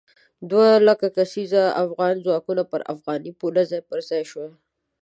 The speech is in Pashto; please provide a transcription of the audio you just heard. دوه لک کسیز افغاني ځواکونه پر افغاني پوله ځای پر ځای شول.